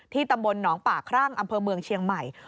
ตำบลหนองป่าครั่งอำเภอเมืองเชียงใหม่